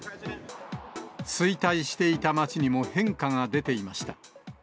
衰退していた町にも変化が出ていました。